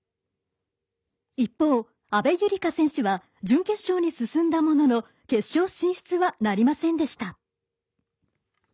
一方、阿部友里香選手は準決勝に進んだものの決勝進出はなりませんでした。